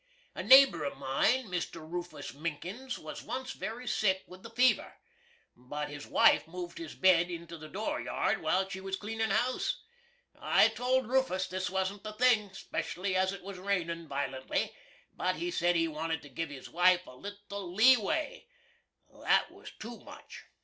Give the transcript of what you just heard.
A naber of mine, Mr. Roofus Minkins, was once very sick with the fever, but his wife moved his bed into the door yard while she was cleanin' house. I toald Roofus this wasn't the thing, 'specially as it was rainin' vi'lently; but he said he wanted to giv his wife "a little lee way." That was 2 mutch.